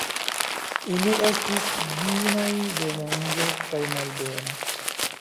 Ili estis diinoj de venĝo kaj malbeno.